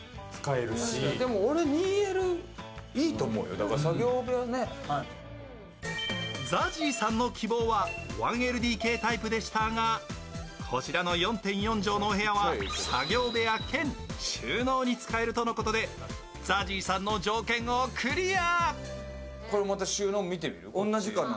更に、こちらの物件にはＺＡＺＹさんの希望は１ＬＤＫタイプでしたがこちらの４．４畳のお部屋は作業部屋兼収納に使えるということでＺＡＺＹさんの条件をクリア。